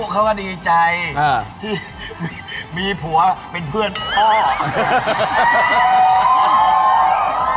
เขาก็ดีใจที่มีผัวเป็นเพื่อนพ่อเออ